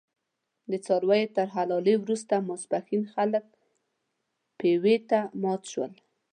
د څارویو تر حلالې وروسته ماسپښین خلک پېوې ته مات شول.